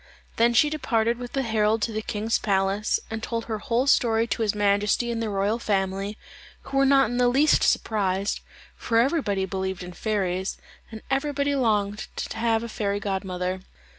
Then she departed with the herald to the king's palace, and told her whole story to his majesty and the royal family, who were not in the least surprised, for everybody believed in fairies, and everybody longed to have a fairy godmother.